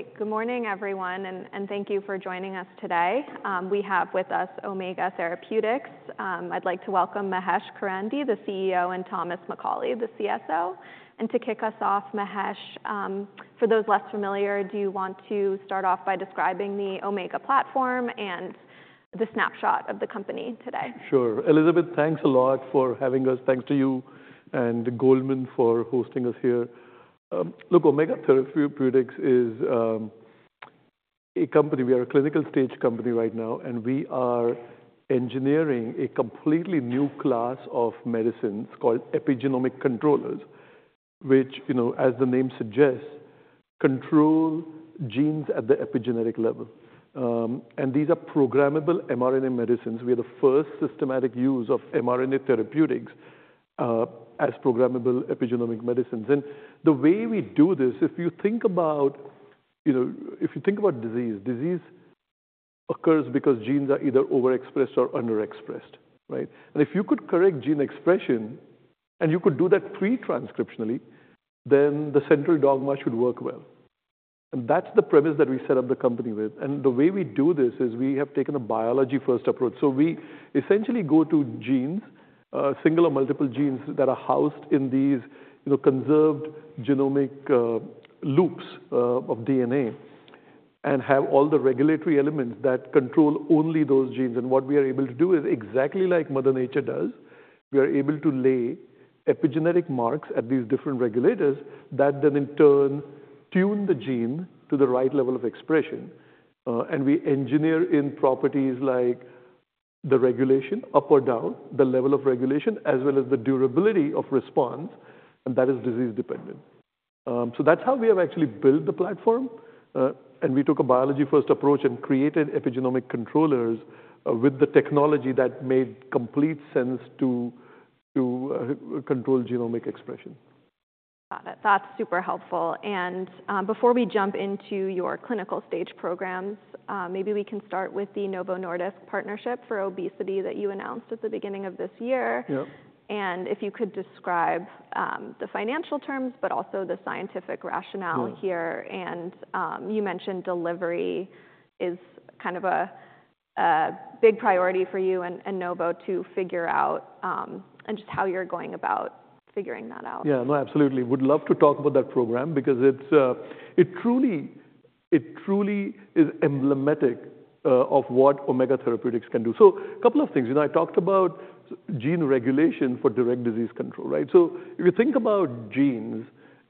Great. Good morning, everyone, and, and thank you for joining us today. We have with us Omega Therapeutics. I'd like to welcome Mahesh Karande, the CEO, and Thomas McCauley, the CSO. And to kick us off, Mahesh, for those less familiar, do you want to start off by describing the Omega platform and the snapshot of the company today? Sure. Elizabeth, thanks a lot for having us. Thanks to you and Goldman for hosting us here. Look, Omega Therapeutics is a company. We are a clinical stage company right now, and we are engineering a completely new class of medicines called epigenomic controllers, which, you know, as the name suggests, control genes at the epigenetic level. And these are programmable mRNA medicines. We are the first systematic use of mRNA therapeutics as programmable epigenomic medicines. And the way we do this, if you think about, you know, if you think about disease, disease occurs because genes are either overexpressed or underexpressed, right? And if you could correct gene expression, and you could do that pre-transcriptionally, then the central dogma should work well. And that's the premise that we set up the company with. The way we do this is we have taken a biology-first approach. We essentially go to genes, single or multiple genes that are housed in these, you know, conserved genomic loops of DNA and have all the regulatory elements that control only those genes. What we are able to do is exactly like mother nature does. We are able to lay epigenetic marks at these different regulators that then in turn tune the gene to the right level of expression. We engineer in properties like the regulation, up or down, the level of regulation, as well as the durability of response, and that is disease-dependent. That's how we have actually built the platform, and we took a biology-first approach and created epigenomic controllers with the technology that made complete sense to control genomic expression. Got it. That's super helpful. And, before we jump into your clinical stage programs, maybe we can start with the Novo Nordisk partnership for obesity that you announced at the beginning of this year. Yep. If you could describe the financial terms, but also the scientific rationale here. You mentioned delivery is kind of a big priority for you and Novo to figure out, and just how you're going about figuring that out? Yeah. No, absolutely. Would love to talk about that program because it's truly emblematic of what Omega Therapeutics can do. So a couple of things. You know, I talked about gene regulation for direct disease control, right? So if you think about genes,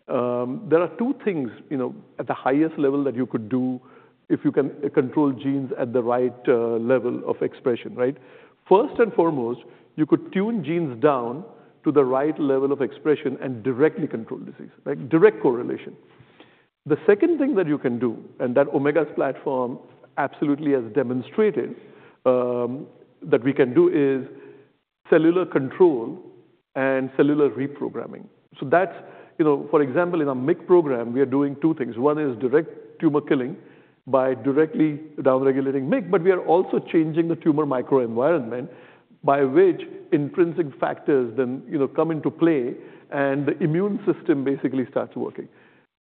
there are two things, you know, at the highest level that you could do if you can control genes at the right level of expression, right? First and foremost, you could tune genes down to the right level of expression and directly control disease, like, direct correlation. The second thing that you can do, and that Omega's platform absolutely has demonstrated that we can do, is cellular control and cellular reprogramming. So that's. You know, for example, in our MYC program, we are doing two things. One is direct tumor killing by directly downregulating MYC, but we are also changing the tumor microenvironment by which intrinsic factors then, you know, come into play, and the immune system basically starts working.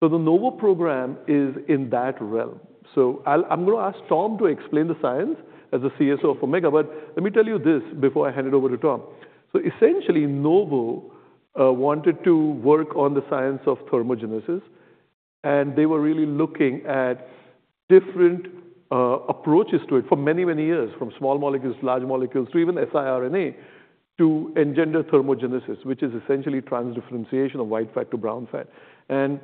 So the Novo program is in that realm. So I'll—I'm gonna ask Tom to explain the science as the CSO of Omega, but let me tell you this before I hand it over to Tom. So essentially, Novo wanted to work on the science of thermogenesis, and they were really looking at different approaches to it for many, many years, from small molecules, large molecules, to even siRNA, to engender thermogenesis, which is essentially transdifferentiation of white fat to brown fat. And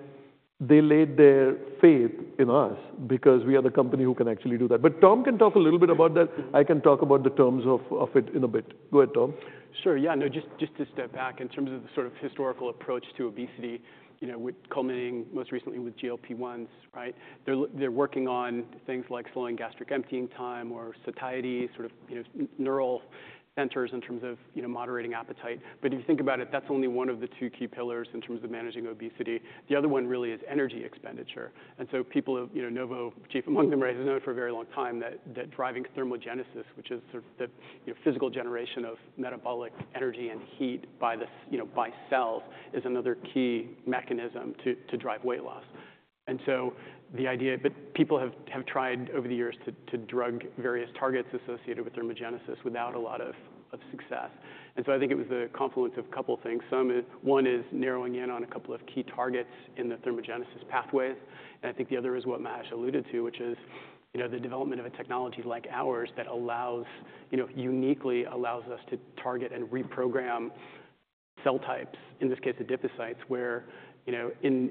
they laid their faith in us because we are the company who can actually do that. But Tom can talk a little bit about that. I can talk about the terms of it in a bit. Go ahead, Tom. Sure. Yeah, no, just, just to step back in terms of the sort of historical approach to obesity, you know, with culminating most recently with GLP-1s, right? They're working on things like slowing gastric emptying time or satiety, sort of, you know, neural centers in terms of, you know, moderating appetite. But if you think about it, that's only one of the two key pillars in terms of managing obesity. The other one really is energy expenditure. And so people have, you know, Novo, chief among them, has known for a very long time that driving thermogenesis, which is sort of the, you know, physical generation of metabolic energy and heat by the, you know, by cells, is another key mechanism to drive weight loss. But people have tried over the years to drug various targets associated with thermogenesis without a lot of success. And so I think it was the confluence of a couple things. One is narrowing in on a couple of key targets in the thermogenesis pathways, and I think the other is what Mahesh alluded to, which is, you know, the development of a technology like ours that allows, you know, uniquely allows us to target and reprogram cell types, in this case, adipocytes, where, you know,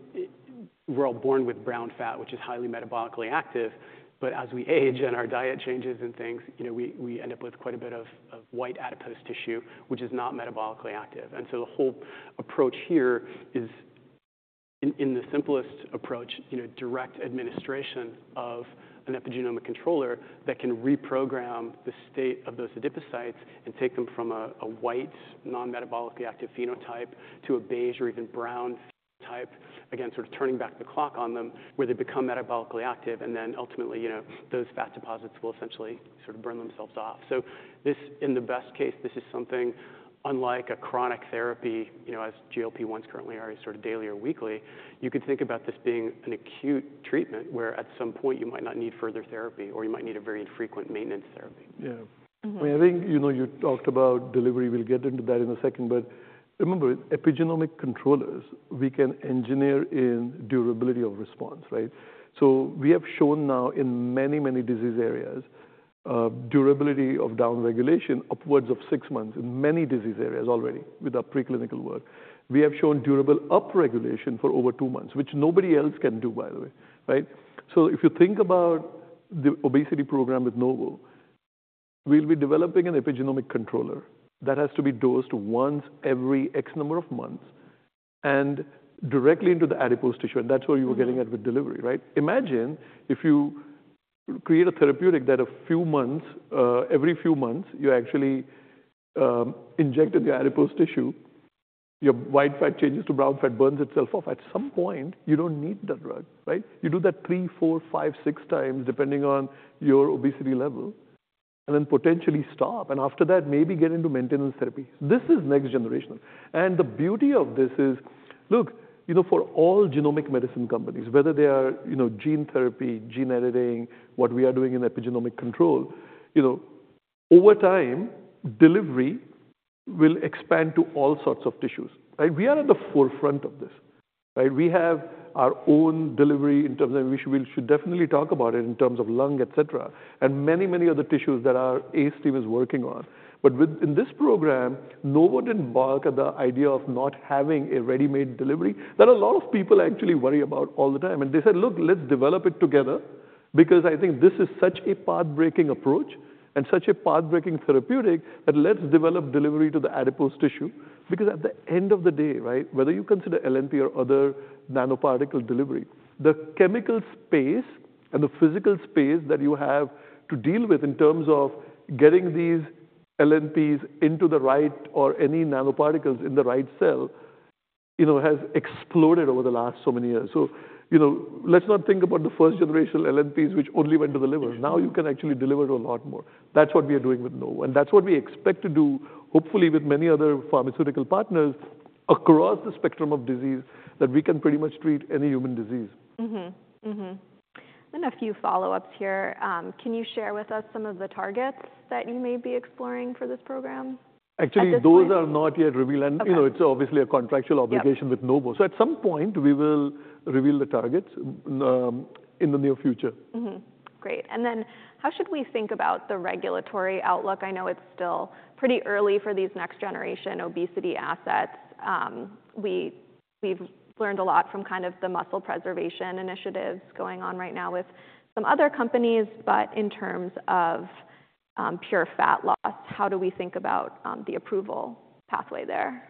we're all born with brown fat, which is highly metabolically active, but as we age and our diet changes and things, you know, we end up with quite a bit of white adipose tissue, which is not metabolically active. And so the whole approach here is in the simplest approach, you know, direct administration of an epigenomic controller that can reprogram the state of those adipocytes and take them from a white, non-metabolically active phenotype to a beige or even brown phenotype type, again, sort of turning back the clock on them, where they become metabolically active, and then ultimately, you know, those fat deposits will essentially sort of burn themselves off. So this, in the best case, this is something unlike a chronic therapy, you know, as GLP-1s currently are sort of daily or weekly. You could think about this being an acute treatment, where at some point you might not need further therapy, or you might need a very infrequent maintenance therapy. Yeah. I mean, I think, you know, you talked about delivery. We'll get into that in a second. But remember, epigenomic controllers, we can engineer in durability of response, right? So we have shown now in many, many disease areas, durability of downregulation upwards of six months in many disease areas already with our preclinical work. We have shown durable upregulation for over two months, which nobody else can do, by the way, right? So if you think about the obesity program with Novo, we'll be developing an epigenomic controller that has to be dosed once every X number of months and directly into the adipose tissue, and that's where you were getting at with delivery, right? Imagine if you create a therapeutic that every few months, you actually inject the adipose tissue, your white fat changes to brown fat, burns itself off. At some point, you don't need that drug, right? You do that three, four, five, six times, depending on your obesity level, and then potentially stop, and after that, maybe get into maintenance therapy. This is next generation. And the beauty of this is. Look, you know, for all genomic medicine companies, whether they are, you know, gene therapy, gene editing, what we are doing in epigenomic control, you know, over time, delivery will expand to all sorts of tissues. Like, we are at the forefront of this, right? We have our own delivery in terms of. We should, we should definitely talk about it in terms of lung, et cetera, and many, many other tissues that our A team is working on. But with. In this program, Novo didn't balk at the idea of not having a ready-made delivery, that a lot of people actually worry about all the time. And they said: Look, let's develop it together, because I think this is such a path-breaking approach and such a path-breaking therapeutic, that let's develop delivery to the adipose tissue. Because at the end of the day, right, whether you consider LNP or other nanoparticle delivery, the chemical space and the physical space that you have to deal with in terms of getting these LNPs into the right, or any nanoparticles in the right cell, you know, has exploded over the last so many years. So, you know, let's not think about the first-generation LNPs, which only went to the liver. Now, you can actually deliver a lot more. That's what we are doing with Novo, and that's what we expect to do, hopefully with many other pharmaceutical partners across the spectrum of disease, that we can pretty much treat any human disease. Mm-hmm. Mm-hmm. Then a few follow-ups here. Can you share with us some of the targets that you may be exploring for this program at this point? Actually, those are not yet revealed. Okay. You know, it's obviously a contractual obligation with Novo. So at some point, we will reveal the targets in the near future. Great. And then how should we think about the regulatory outlook? I know it's still pretty early for these next-generation obesity assets. We've learned a lot from kind of the muscle preservation initiatives going on right now with some other companies. But in terms of pure fat loss, how do we think about the approval pathway there?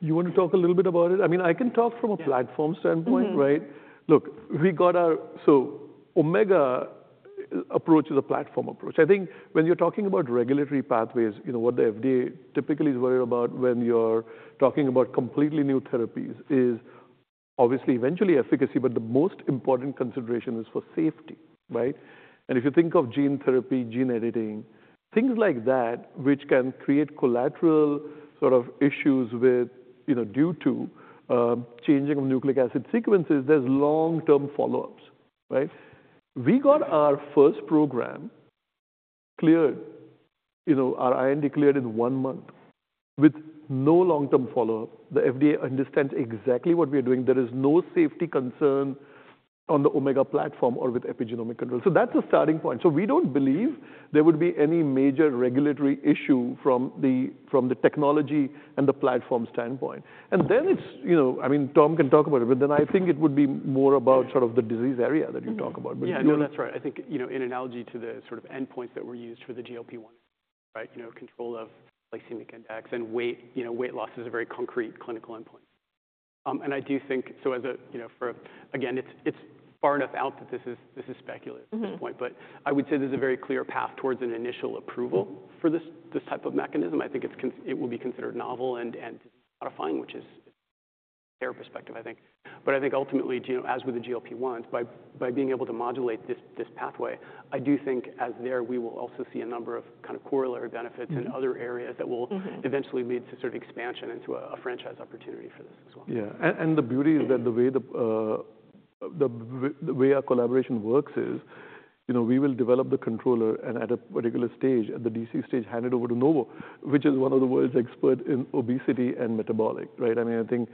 You want to talk a little bit about it? I mean, I can talk from a platform standpoint Right? Look, so Omega approach is a platform approach. I think when you're talking about regulatory pathways, you know, what the FDA typically is worried about when you're talking about completely new therapies is obviously, eventually efficacy, but the most important consideration is for safety, right? And if you think of gene therapy, gene editing, things like that, which can create collateral sort of issues with, you know, due to changing of nucleic acid sequences, there's long-term follow-ups, right? We got our first program cleared, you know, our IND cleared in one month with no long-term follow-up. The FDA understands exactly what we are doing. There is no safety concern on the Omega platform or with epigenomic control. So that's a starting point. So we don't believe there would be any major regulatory issue from the, from the technology and the platform standpoint. And then it's, you know, I mean, Tom can talk about it, but then I think it would be more about sort of the disease area that you talk about. Yeah, no, that's right. I think, you know, in analogy to the sort of endpoints that were used for the GLP-1, right? You know, control of glycemic index and weight, you know, weight loss is a very concrete clinical endpoint. And I do think, so as a, you know, for again, it's, it's far enough out that this is, this is speculative at this point. But I would say there's a very clear path towards an initial approval for this type of mechanism. I think it will be considered novel and modifying, which is their perspective, I think. But I think ultimately, as with the GLP-1, by being able to modulate this pathway, I do think that there we will also see a number of kind of corollary benefits in other areas that will eventually lead to certain expansion into a franchise opportunity for this as well. Yeah. And the beauty is that the way our collaboration works is, you know, we will develop the controller and at a particular stage, at the DC stage, hand it over to Novo, which is one of the world's expert in obesity and metabolic, right? I mean, I think,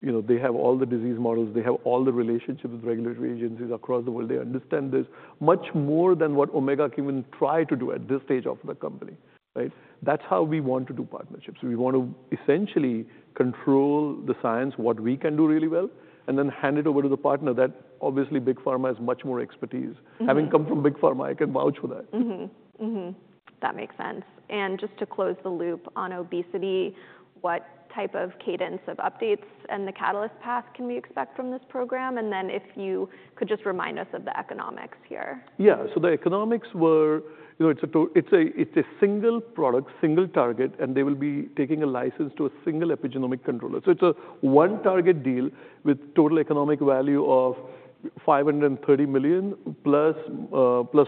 you know, they have all the disease models. They have all the relationships with regulatory agencies across the world. They understand this much more than what Omega can even try to do at this stage of the company, right? That's how we want to do partnerships. We want to essentially control the science, what we can do really well, and then hand it over to the partner that obviously Big Pharma has much more expertise. Having come from Big Pharma, I can vouch for that. Mm-hmm. Mm-hmm. That makes sense. And just to close the loop on obesity, what type of cadence of updates and the catalyst path can we expect from this program? And then if you could just remind us of the economics here. Yeah. So the economics were... You know, it's a single product, single target, and they will be taking a license to a single epigenomic controller. So it's a one target deal with total economic value of $530 million+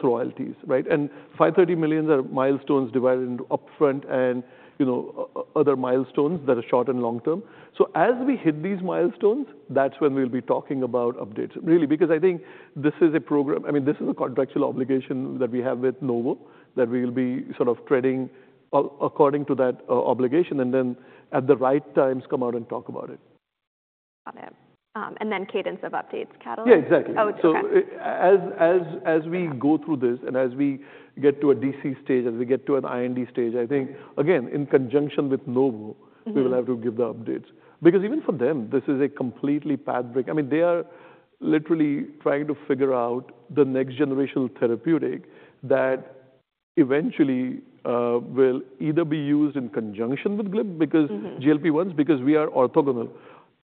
royalties, right? And $530 millions are milestones divided into upfront and, you know, other milestones that are short and long term. So as we hit these milestones, that's when we'll be talking about updates. Really, because I think this is a program—I mean, this is a contractual obligation that we have with Novo, that we will be sort of treading according to that obligation, and then at the right times, come out and talk about it. Okay and then cadence of updates, catalysts? Yeah, exactly. Oh, okay. So as we go through this and as we get to a DC stage, as we get to an IND stage, I think again, in conjunction with Novo. We will have to give the updates. Because even for them, this is a completely path breaking. I mean, they are literally trying to figure out the next generational therapeutic that eventually will either be used in conjunction with GLP because GLP-1s, because we are orthogonal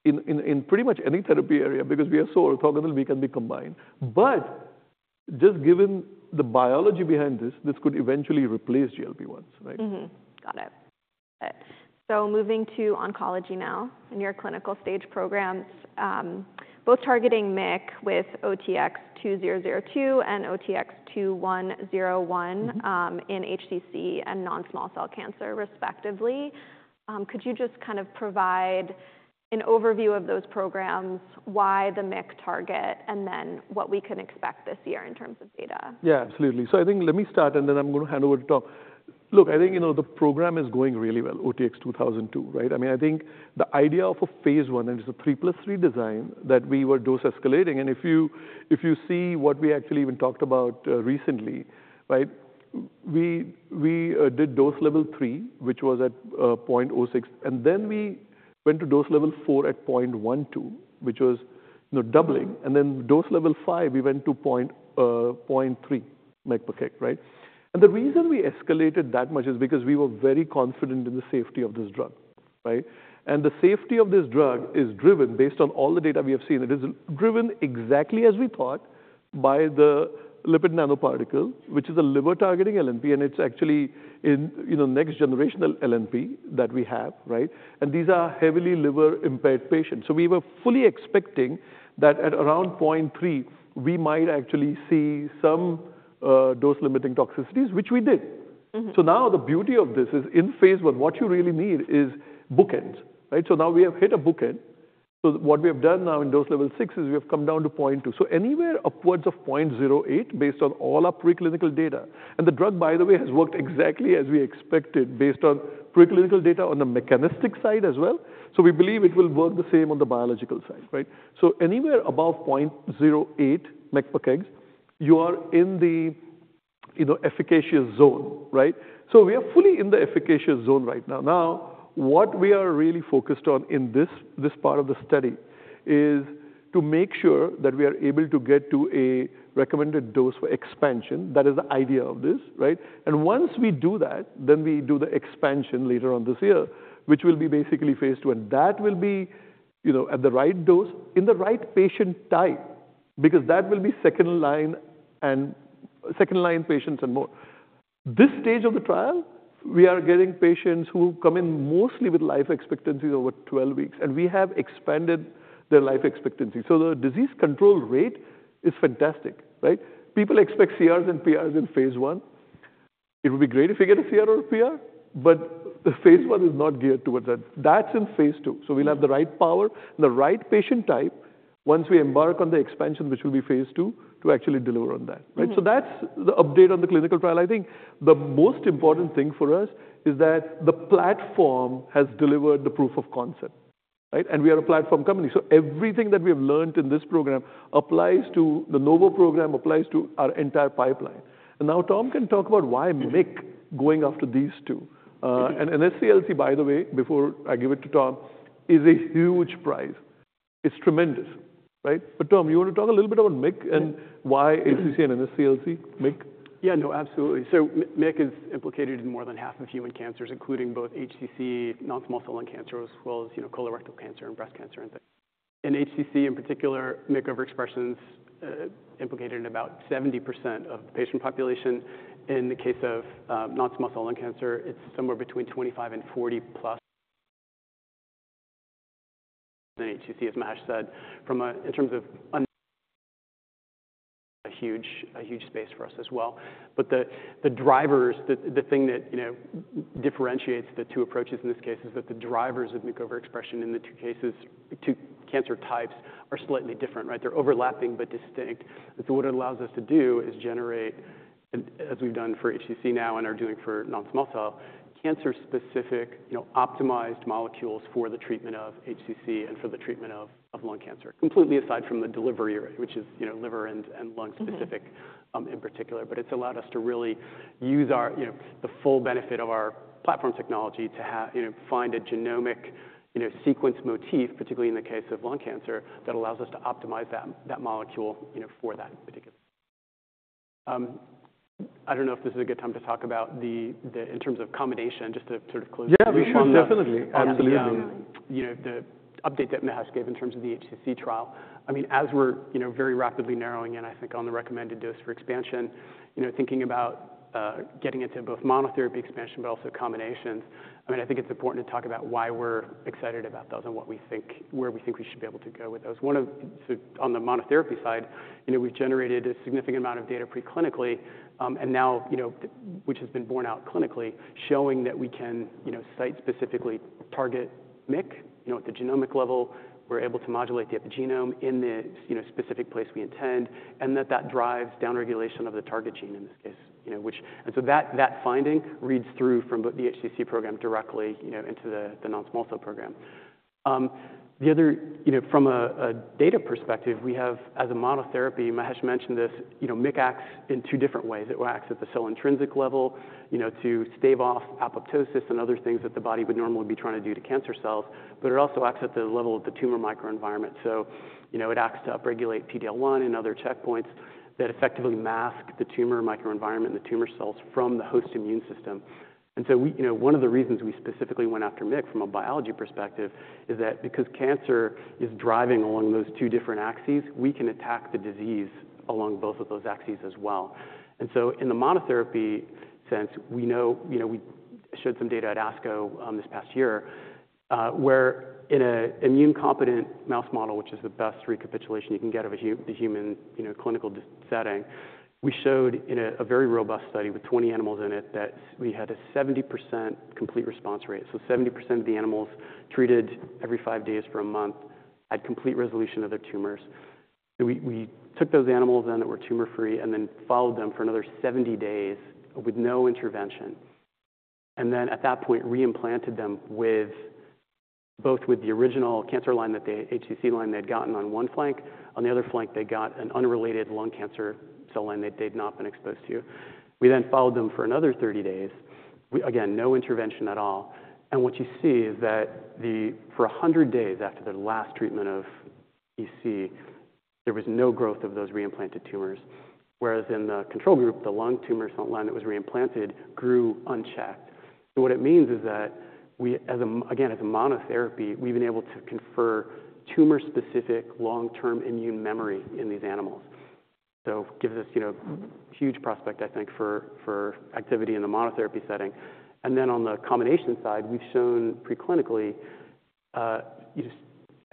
in pretty much any therapy area. Because we are so orthogonal, we can be combined. But just given the biology behind this, this could eventually replace GLP-1s, right? Mm-hmm. Got it. So moving to oncology now, and your clinical stage programs, both targeting MYC with OTX-2002 and OTX-2101 in HCC and non-small cell cancer, respectively. Could you just kind of provide an overview of those programs, why the MYC target, and then what we can expect this year in terms of data? Yeah, absolutely. So I think let me start, and then I'm gonna hand over to Tom. Look, I think, you know, the program is going really well, OTX-2002, right? I mean, I think the idea of a phase I, and it's a 3 + 3 design that we were dose escalating, and if you see what we actually even talked about recently, right? We did dose level 3, which was at 0.06, and then we went to dose level 4 at 0.12, which was, you know, doubling. And then dose level 5, we went to 0.3 mg per kg, right? And the reason we escalated that much is because we were very confident in the safety of this drug, right? And the safety of this drug is driven based on all the data we have seen. It is driven exactly as we thought by the lipid nanoparticle, which is a liver-targeting LNP, and it's actually in, you know, next generational LNP that we have, right? And these are heavily liver-impaired patients. So we were fully expecting that at around 0.3, we might actually see some dose-limiting toxicities, which we did. So now the beauty of this is, in phase I, what you really need is bookends, right? So now we have hit a bookend. So what we have done now in dose level 6 is we have come down to 0.2. So anywhere upwards of 0.08, based on all our preclinical data. And the drug, by the way, has worked exactly as we expected, based on preclinical data on the mechanistic side as well. So we believe it will work the same on the biological side, right? So anywhere above 0.08 mg per kg, you are in the, you know, efficacious zone, right? So we are fully in the efficacious zone right now. Now, what we are really focused on in this, this part of the study is to make sure that we are able to get to a recommended dose for expansion. That is the idea of this, right? And once we do that, then we do the expansion later on this year, which will be basically phase II. And that will be, you know, at the right dose, in the right patient type, because that will be second line and second-line patients and more. This stage of the trial, we are getting patients who come in mostly with life expectancies over 12 weeks, and we have expanded their life expectancy. So the disease control rate is fantastic, right? People expect CRs and PRs in phase I. It would be great if we get a CR or PR, but the phase I, is not geared towards that. That's in phase II. So we'll have the right power and the right patient type once we embark on the expansion, which will be phase II, to actually deliver on that, right? So that's the update on the clinical trial. I think the most important thing for us is that the platform has delivered the proof of concept, right? And we are a platform company, so everything that we have learned in this program applies to the Novo program, applies to our entire pipeline. And now Tom can talk about why MYC going after these two. And NSCLC, by the way, before I give it to Tom, is a huge prize. It's tremendous, right? But Tom, you want to talk a little bit about MYC and why HCC and NSCLC, MYC? Yeah, no, absolutely. So MYC is implicated in more than half of human cancers, including both HCC, non-small cell lung cancer, as well as, you know, colorectal cancer and breast cancer. In HCC in particular, MYC overexpression's implicated in about 70% of the patient population. In the case of non-small cell lung cancer, it's somewhere between 25 and 40+. In HCC, as Mahesh said, from a-- in terms of un- a huge, a huge space for us as well. But the drivers, the thing that, you know, differentiates the two approaches in this case is that the drivers of MYC overexpression in the two cases, the two cancer types, are slightly different, right? They're overlapping but distinct. So what it allows us to do is generate, as we've done for HCC now and are doing for non-small cell, cancer-specific, you know, optimized molecules for the treatment of HCC and for the treatment of lung cancer. Completely aside from the delivery, which is, you know, liver and lung specific in particular. But it's allowed us to really use our—you know, the full benefit of our platform technology to have. You know, find a genomic, you know, sequence motif, particularly in the case of lung cancer, that allows us to optimize that, that molecule, you know, for that particular. I don't know if this is a good time to talk about the, the—in terms of combination, just to sort of close the loop on the- Yeah, absolutely. Absolutely. You know, the update that Mahesh gave in terms of the HCC trial. I mean, as we're, you know, very rapidly narrowing in, I think, on the recommended dose for expansion, you know, thinking about, getting into both monotherapy expansion, but also combinations. I mean, I think it's important to talk about why we're excited about those and what we think, where we think we should be able to go with those. One of the. So on the monotherapy side, you know, we've generated a significant amount of data preclinically, and now, you know, which has been borne out clinically, showing that we can, you know, site-specifically target MYC. You know, at the genomic level, we're able to modulate the epigenome. In the, you know, specific place we intend, and that that drives downregulation of the target gene in this case, you know, which-- And so that, that finding reads through from both the HCC program directly, you know, into the, the non-small cell program. The other, you know, from a, a data perspective, we have, as a monotherapy, Mahesh mentioned this, you know, MYC acts in two different ways. It will act at the cell-intrinsic level, you know, to stave off apoptosis and other things that the body would normally be trying to do to cancer cells, but it also acts at the level of the tumor microenvironment. So, you know, it acts to upregulate PD-L1 and other checkpoints that effectively mask the tumor microenvironment and the tumor cells from the host immune system. We, you know, one of the reasons we specifically went after MYC from a biology perspective is that because cancer is driving along those two different axes, we can attack the disease along both of those axes as well. In the monotherapy sense, we know, you know, we showed some data at ASCO this past year, where in an immune-competent mouse model, which is the best recapitulation you can get of a human, you know, clinical setting, we showed in a very robust study with 20 animals in it, that we had a 70% complete response rate. 70% of the animals treated every five days for a month had complete resolution of their tumors. So we took those animals then that were tumor-free, and then followed them for another 70 days with no intervention, and then at that point, re-implanted them with, both with the original cancer line, that the HCC line they'd gotten on one flank. On the other flank, they got an unrelated lung cancer cell line they'd not been exposed to. We then followed them for another 30 days. We again, no intervention at all. And what you see is that, for 100 days after their last treatment of EC, there was no growth of those re-implanted tumors, whereas in the control group, the lung tumor cell line that was re-implanted grew unchecked. So what it means is that we, as a monotherapy, again, we've been able to confer tumor-specific long-term immune memory in these animals. So it gives us, you know, huge prospect, I think, for activity in the monotherapy setting. And then on the combination side, we've shown preclinically just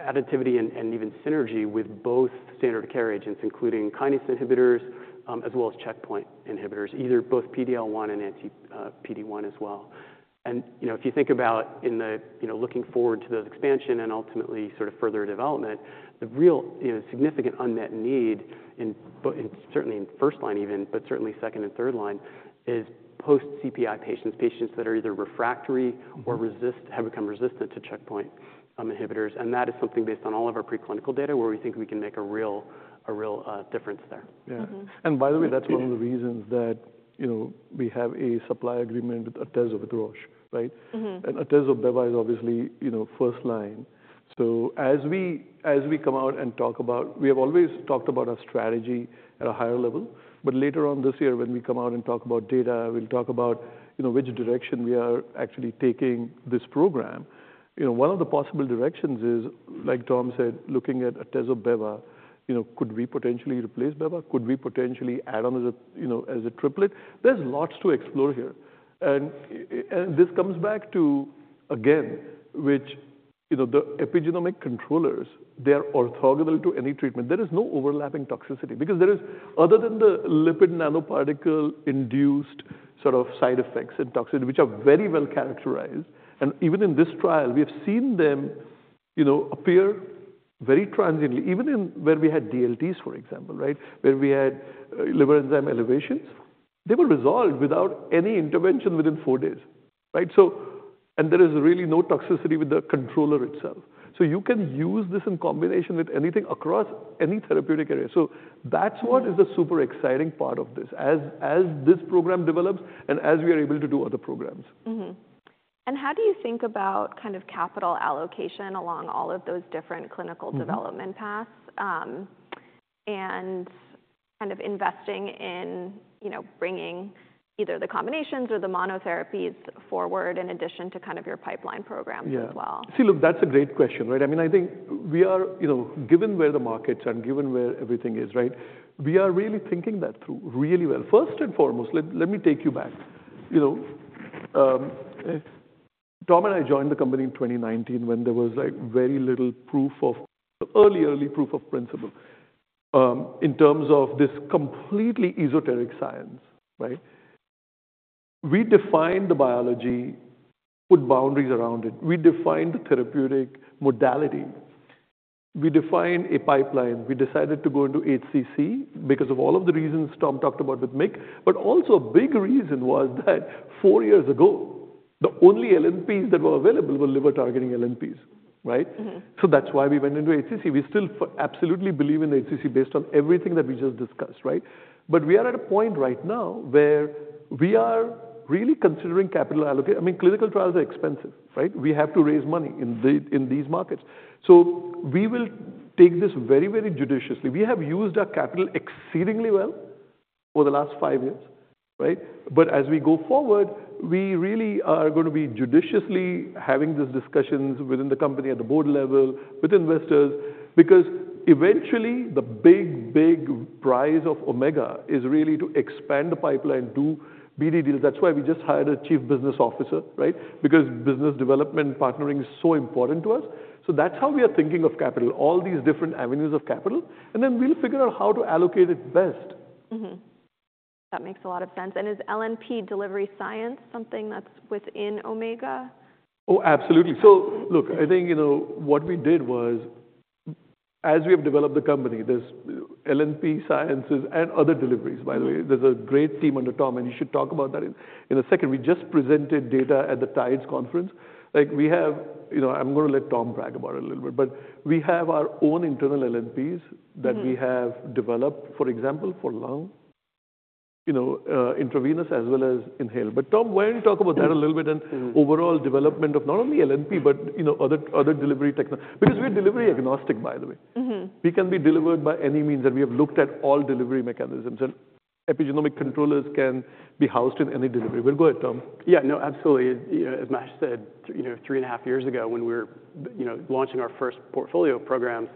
additivity and even synergy with both standard of care agents, including kinase inhibitors, as well as checkpoint inhibitors, either both PD-L1 and anti-PD-1 as well. And, you know, if you think about in the, you know, looking forward to those expansion and ultimately sort of further development, the real, you know, significant unmet need in, but in certainly in first line even, but certainly second and third line, is post-CPI patients, patients that are either refractory or have become resistant to checkpoint inhibitors. And that is something based on all of our preclinical data, where we think we can make a real difference there. Yeah. By the way, that's one of the reasons that, you know, we have a supply agreement with Atezo of Roche, right? Atezo/Beva is obviously, you know, first line. So as we, as we come out and talk about... We have always talked about our strategy at a higher level, but later on this year, when we come out and talk about data, we'll talk about, you know, which direction we are actually taking this program. You know, one of the possible directions is, like Tom said, looking at Atezo/Beva, you know, could we potentially replace Beva? Could we potentially add on as a, you know, as a triplet? There's lots to explore here. And, and this comes back to, again, which, you know, the epigenomic controllers, they are orthogonal to any treatment. There is no overlapping toxicity, because there is other than the lipid nanoparticle-induced sort of side effects and toxicity, which are very well characterized, and even in this trial, we have seen them, you know, appear very transiently, even in where we had DLTs, for example, right? Where we had liver enzyme elevations. They were resolved without any intervention within four days, right? So and there is really no toxicity with the controller itself. So you can use this in combination with anything across any therapeutic area. So that's what is the super exciting part of this, as this program develops and as we are able to do other programs. Mm-hmm. How do you think about kind of capital allocation along all of those different clinical development paths, and kind of investing in, you know, bringing either the combinations or the monotherapies forward in addition to kind of your pipeline program as well? Yeah. See, look, that's a great question, right? I mean, I think we are, you know, given where the markets and given where everything is, right? We are really thinking that through really well. First and foremost, let me take you back. You know, Tom and I joined the company in 2019 when there was, like, very little early proof of principle, in terms of this completely esoteric science, right? We defined the biology, put boundaries around it. We defined the therapeutic modality. We defined a pipeline. We decided to go into HCC because of all of the reasons Tom talked about with MYC. But also a big reason was that four years ago, the only LNPs that were available were liver targeting LNPs, right? So that's why we went into HCC. We still absolutely believe in HCC based on everything that we just discussed, right? But we are at a point right now where we are really considering capital allocation. I mean, clinical trials are expensive, right? We have to raise money in these markets. So we will take this very, very judiciously. We have used our capital exceedingly well for the last five years, right? But as we go forward, we really are gonna be judiciously having these discussions within the company at the board level, with investors, because eventually, the big, big prize of Omega is really to expand the pipeline, do BD deals. That's why we just hired a chief business officer, right? Because business development partnering is so important to us. That's how we are thinking of capital, all these different avenues of capital, and then we'll figure out how to allocate it best. Mm-hmm. That makes a lot of sense. And is LNP delivery science something that's within Omega? Oh, absolutely. So look, I think, you know, what we did was, as we have developed the company, there's LNP sciences and other deliveries. By the way, there's a great team under Tom, and he should talk about that in a second. We just presented data at the TIDES conference. Like, we have- You know, I'm gonna let Tom brag about it a little bit, but we have our own internal LNPs that we have developed, for example, for lung, you know, intravenous as well as inhaled. But Tom, why don't you talk about that a little bit and overall development of not only LNP but, you know, other delivery techno. Because we're delivery agnostic, by the way. We can be delivered by any means, and we have looked at all delivery mechanisms, and epigenomic controllers can be housed in any delivery. Well, go ahead, Tom. Yeah. No, absolutely. You know, as Mahesh said, you know, 3.5 years ago, when we were, you know, launching our first portfolio program,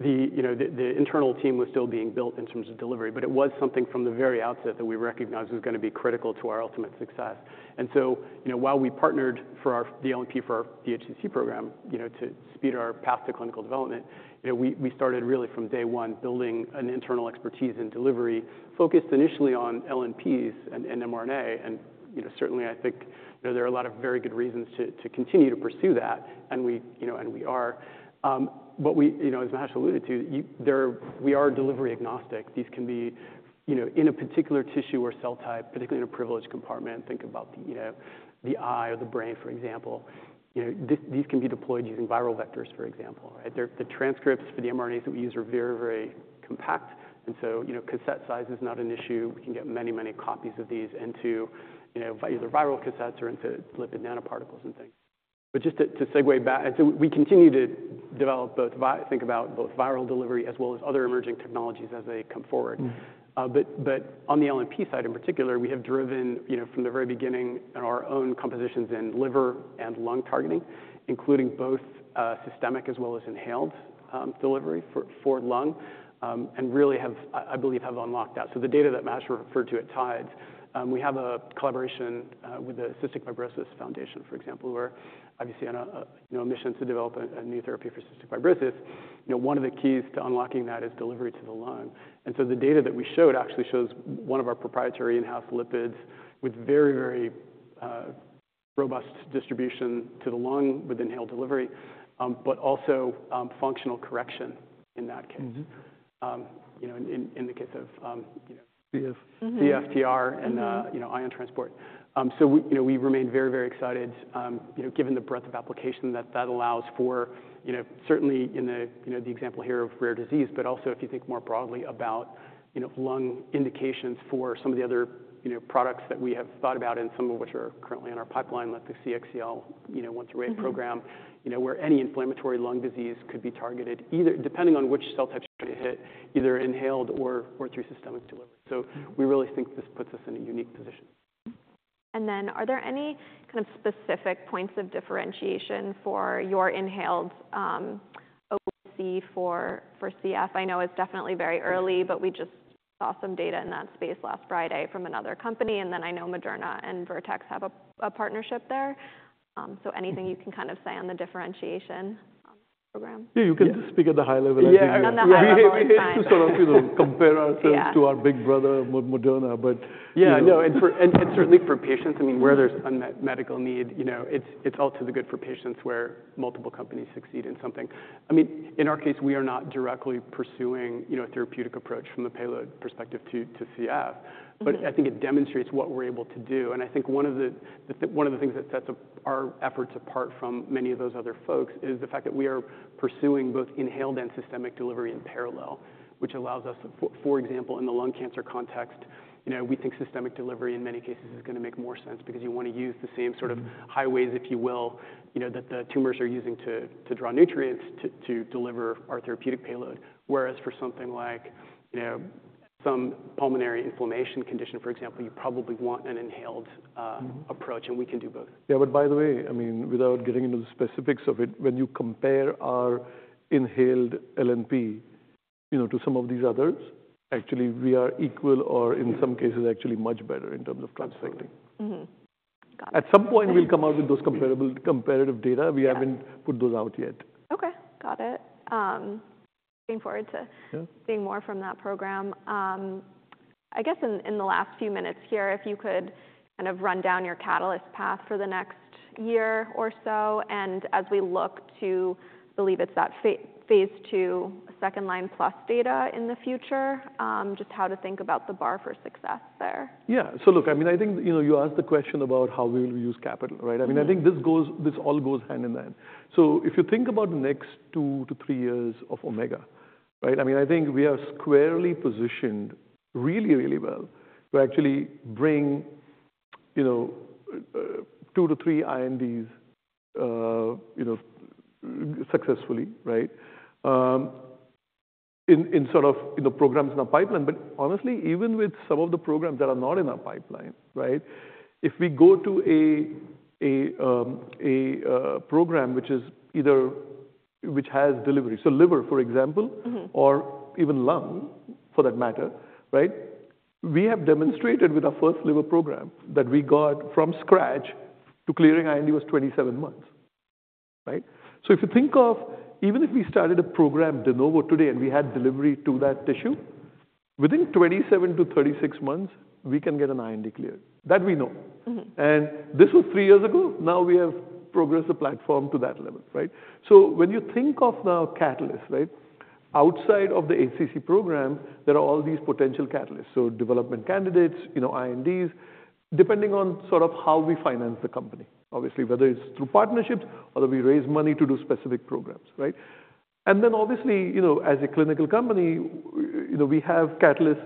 the internal team was still being built in terms of delivery, but it was something from the very outset that we recognized was gonna be critical to our ultimate success. And so, you know, while we partnered for our- the LNP, for our HCC program, you know, to speed our path to clinical development, you know, we started really from day one building an internal expertise in delivery, focused initially on LNPs and mRNA. And, you know, certainly, I think, you know, there are a lot of very good reasons to continue to pursue that, and we are. But we- You know, as Mahesh alluded to, we are delivery agnostic. These can be, you know, in a particular tissue or cell type, particularly in a privileged compartment. Think about the, you know, the eye or the brain, for example. You know, these can be deployed using viral vectors, for example, right? The transcripts for the mRNAs that we use are very, very compact, and so, you know, cassette size is not an issue. We can get many, many copies of these into, you know, either viral cassettes or into lipid nanoparticles and things. But just to segue back, and so we continue to develop both, think about both viral delivery as well as other emerging technologies as they come forward. But on the LNP side, in particular, we have driven, you know, from the very beginning in our own compositions in liver and lung targeting, including both systemic as well as inhaled delivery for lung, and really have, I believe, have unlocked that. So the data that Mahesh referred to at TIDES, we have a collaboration with the Cystic Fibrosis Foundation, for example, where obviously on a, you know, a mission to develop a new therapy for cystic fibrosis. You know, one of the keys to unlocking that is delivery to the lung. And so the data that we showed actually shows one of our proprietary in-house lipids with very, very robust distribution to the lung with inhaled delivery, but also functional correction in that case. You know, in the case of, you know CF. CFTR and you know, ion transport. So we, you know, we remain very, very excited, you know, given the breadth of application that that allows for, you know, certainly in the, you know, the example here of rare disease, but also if you think more broadly about, you know, lung indications for some of the other, you know, products that we have thought about and some of which are currently in our pipeline, like the CXCL8 program you know, where any inflammatory lung disease could be targeted, either depending on which cell type you hit, either inhaled or through systemic delivery. So we really think this puts us in a unique position. Mm-hmm. And then are there any kind of specific points of differentiation for your inhaled EC for CF? I know it's definitely very early, but we just saw some data in that space last Friday from another company, and then I know Moderna and Vertex have a partnership there. So anything you can kind of say on the differentiation, program? Yeah, you can just speak at a high level. Yeah. On the high level is fine. We hate to sort of, you know, compare ourselves. Yeah To our big brother, Moderna, but, you know, Yeah, no, and certainly for patients, I mean, where there's unmet medical need, you know, it's all to the good for patients where multiple companies succeed in something. I mean, in our case, we are not directly pursuing, you know, a therapeutic approach from the payload perspective to CF. But I think it demonstrates what we're able to do, and I think one of the things that sets our efforts apart from many of those other folks is the fact that we are pursuing both inhaled and systemic delivery in parallel, which allows us, for example, in the lung cancer context. You know, we think systemic delivery, in many cases, is gonna make more sense because you wanna use the same sort of highways, if you will, you know, that the tumors are using to draw nutrients to deliver our therapeutic payload. Whereas for something like, you know, some pulmonary inflammation condition, for example, you probably want an inhaled approach, and we can do both. Yeah, but by the way, I mean, without getting into the specifics of it, when you compare our inhaled LNP, you know, to some of these others, actually, we are equal or in some cases, actually much better in terms of transfecting. Mm-hmm. Got it. At some point, we'll come out with those comparative data. Yeah. We haven't put those out yet. Okay, got it. Looking forward to seeing more from that program. I guess in the last few minutes here, if you could kind of run down your catalyst path for the next year or so, and as we look to believe it's that phase II, second line plus data in the future, just how to think about the bar for success there. Yeah. So look, I mean, I think, you know, you asked the question about how we will use capital, right? I mean, I think this goes, this all goes hand in hand. So if you think about the next 2-3 years of Omega, right? I mean, I think we are squarely positioned really, really well to actually bring, you know, 2-3 INDs, you know, successfully, right? In, in sort of, you know, programs in our pipeline, but honestly, even with some of the programs that are not in our pipeline, right? If we go to a program which is either, which has delivery, so liver, for example or even lung, for that matter, right? We have demonstrated with our first liver program that we got from scratch to clearing IND was 27 months. Right? So if you think of, even if we started a program de novo today, and we had delivery to that tissue, within 27-36 months, we can get an IND clear. That we know. Mm-hmm. This was 3 years ago. Now we have progressed the platform to that level, right? When you think of now catalysts, right? Outside of the HCC program, there are all these potential catalysts. Development candidates, you know, INDs, depending on sort of how we finance the company. Obviously, whether it's through partnerships or whether we raise money to do specific programs, right? Then obviously, you know, as a clinical company, you know, we have catalysts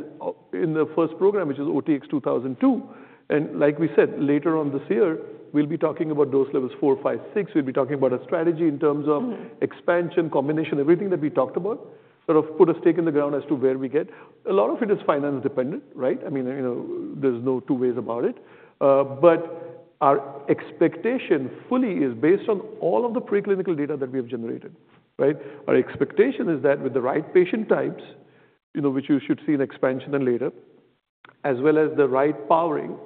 in the first program, which is OTX-2002. And like we said, later on this year, we'll be talking about dose levels 4, 5, 6. We'll be talking about a strategy in terms of expansion, combination, everything that we talked about, sort of put a stake in the ground as to where we get. A lot of it is finance dependent, right? I mean, you know, there's no two ways about it. But our expectation fully is based on all of the preclinical data that we have generated, right? Our expectation is that with the right patient types, you know, which you should see an expansion in later, as well as the right powering,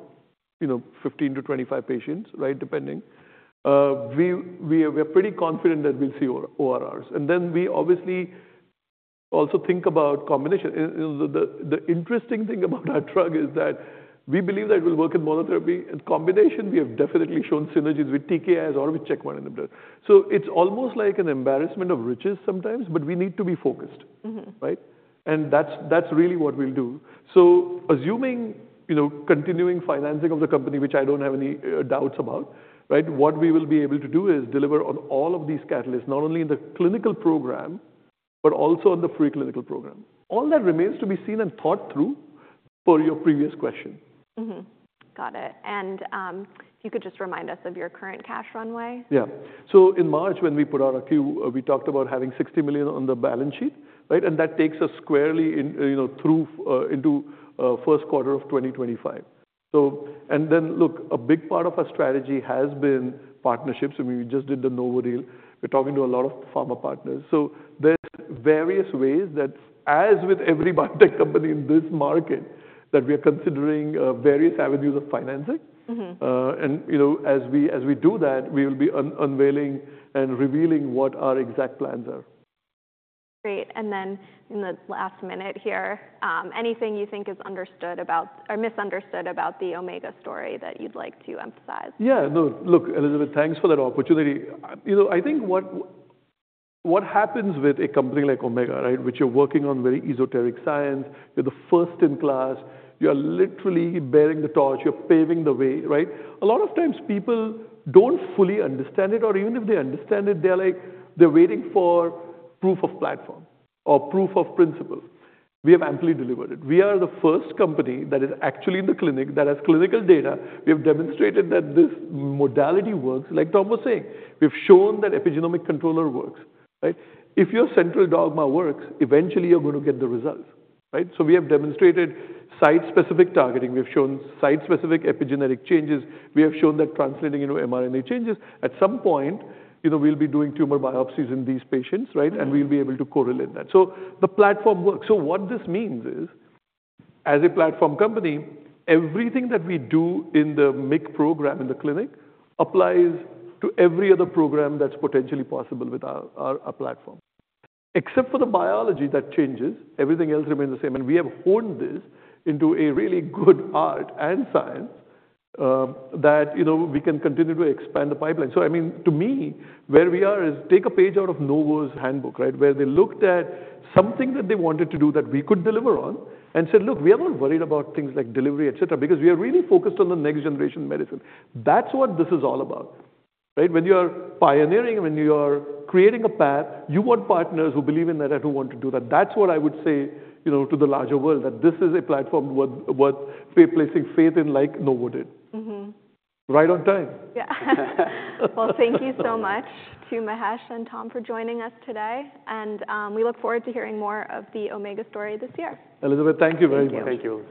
you know, 15-25 patients, right, depending, we are pretty confident that we'll see ORRs. And then we obviously also think about combination. And the interesting thing about our drug is that we believe that it will work in monotherapy and combination. We have definitely shown synergies with TKIs or with checkpoint in the blood. So it's almost like an embarrassment of riches sometimes, but we need to be focused. Right? And that's, that's really what we'll do. So assuming, you know, continuing financing of the company, which I don't have any doubts about, right, what we will be able to do is deliver on all of these catalysts, not only in the clinical program, but also on the preclinical program. All that remains to be seen and thought through per your previous question. Mm-hmm. Got it. And, if you could just remind us of your current cash runway? Yeah. So in March, when we put out our Q, we talked about having $60 million on the balance sheet, right? And that takes us squarely in, you know, through into first quarter of 2025. So and then, look, a big part of our strategy has been partnerships, and we just did the Novo deal. We're talking to a lot of pharma partners. So there's various ways that, as with every biotech company in this market, that we are considering various avenues of financing. You know, as we do that, we will be unveiling and revealing what our exact plans are. Great. And then in the last minute here, anything you think is understood about or misunderstood about the Omega story that you'd like to emphasize? Yeah. No, look, Elizabeth, thanks for that opportunity. You know, I think what happens with a company like Omega, right? Which you're working on very esoteric science, you're the first in class, you are literally bearing the torch, you're paving the way, right? A lot of times people don't fully understand it, or even if they understand it, they're like, they're waiting for proof of platform or proof of principle. We have amply delivered it. We are the first company that is actually in the clinic, that has clinical data. We have demonstrated that this modality works, like Tom was saying. We've shown that epigenomic controller works, right? If your central dogma works, eventually you're going to get the results, right? So we have demonstrated site-specific targeting. We've shown site-specific epigenetic changes. We have shown that translating into mRNA changes. At some point, you know, we'll be doing tumor biopsies in these patients, right? Mm-hmm. We'll be able to correlate that. The platform works. What this means is, as a platform company, everything that we do in the MYC program, in the clinic, applies to every other program that's potentially possible with our platform. Except for the biology that changes, everything else remains the same, and we have honed this into a really good art and science that, you know, we can continue to expand the pipeline. I mean, to me, where we are is take a page out of Novo's handbook, right? Where they looked at something that they wanted to do that we could deliver on and said: Look, we are not worried about things like delivery, et cetera, because we are really focused on the next generation medicine. That's what this is all about, right? When you are pioneering, when you are creating a path, you want partners who believe in that and who want to do that. That's what I would say, you know, to the larger world, that this is a platform worth placing faith in, like Novo did. Mm-hmm. Right on time. Yeah. Well, thank you so much to Mahesh and Tom for joining us today, and we look forward to hearing more of the Omega story this year. Elizabeth, thank you very much. Thank you.